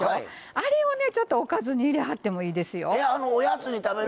あれをおかずに入れはってもいいですよ。